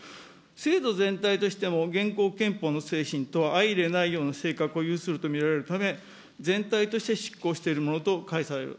制度全体としても、現行憲法の精神とは相いれないような性格を有すると見られるため、全体として失効しているものと解される。